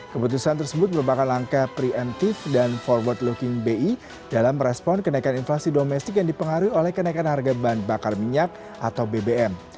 keputusan tersebut merupakan langkah preemptif dan forward looking bi dalam merespon kenaikan inflasi domestik yang dipengaruhi oleh kenaikan harga bahan bakar minyak atau bbm